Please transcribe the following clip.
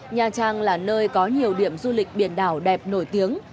nha trang là nơi có nhiều điểm du lịch biển đảo đẹp nổi tiếng